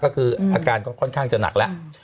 ก็คืออาการก็ค่อนข้างจะหนักแล้ว